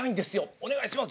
お願いします。